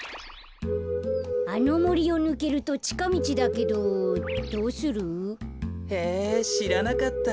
あのもりをぬけるとちかみちだけどどうする？へえしらなかった。